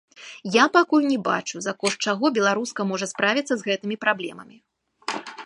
Я пакуль не бачу, за кошт чаго беларуска можа справіцца з гэтымі праблемамі.